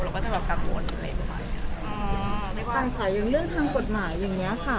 เราก็จะแบบกังวลอยู่เลยอ๋อในปัญหาอย่างเรื่องทางกฎหมายอย่างเนี้ยค่ะ